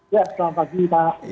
ya selamat pagi pak